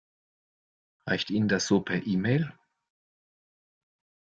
Reicht Ihnen das so per E-Mail?